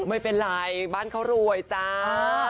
ไม่เป็นไรบ้านเขารวยจ้า